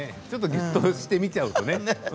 ちょっとぎゅっとして見ちゃうとね。